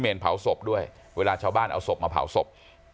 เผาศพด้วยเวลาชาวบ้านเอาศพมาเผาศพ